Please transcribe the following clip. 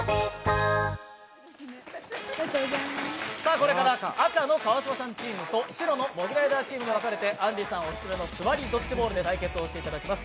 これから赤の川島さんチームと白のモグライダーチームに分かれてあんりさんオススメの「座りドッジボール」で対決していただきます。